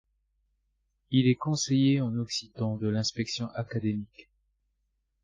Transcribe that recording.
Il est conseiller en occitan de l’inspection académique.